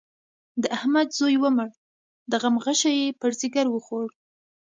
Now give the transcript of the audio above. د احمد زوی ومړ؛ د غم غشی يې پر ځيګر وخوړ.